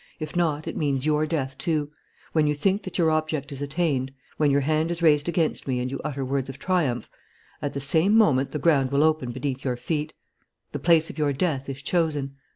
If not, it means your death, too. When you think that your object is attained, when your hand is raised against me and you utter words of triumph, at the same moment the ground will open beneath your feet. The place of your death is chosen.